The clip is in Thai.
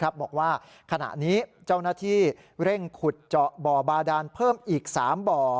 บอกว่าขณะนี้เจ้าหน้าที่เร่งขุดเจาะบ่อบาดานเพิ่มอีก๓บ่อ